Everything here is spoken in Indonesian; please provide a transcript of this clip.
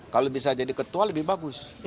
kalau bisa jadi ketua lebih bagus